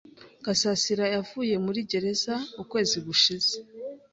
Gasasira yavuye muri gereza ukwezi gushize.